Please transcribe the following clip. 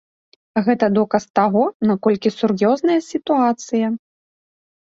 Гэта доказ таго, наколькі сур'ёзная сітуацыя.